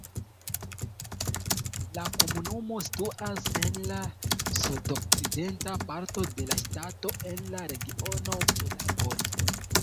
La komunumo situas en la sudokcidenta parto de la ŝtato en la regiono Pelagon.